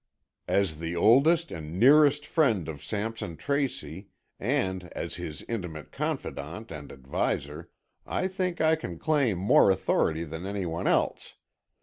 "As the oldest and nearest friend of Sampson Tracy, and as his intimate confidant and adviser, I think I can claim more authority than any one else.